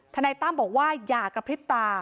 นายตั้มบอกว่าอย่ากระพริบตา